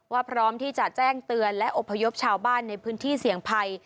พร้อมที่จะแจ้งเตือนและอบพยพชาวบ้านในพื้นที่เสี่ยงภัย